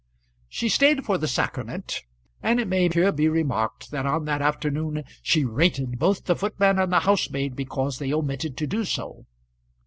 She stayed for the sacrament, and it may here be remarked that on that afternoon she rated both the footman and housemaid because they omitted to do so.